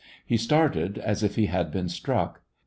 He started as if he had been struck.